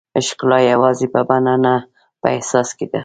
ښکلا یوازې په بڼه نه، په احساس کې ده.